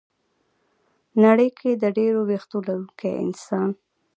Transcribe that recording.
ه نړۍ کې د ډېرو وېښتو لرونکي انسان